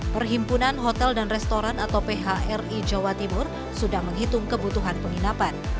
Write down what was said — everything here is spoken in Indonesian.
perhimpunan hotel dan restoran atau phri jawa timur sudah menghitung kebutuhan penginapan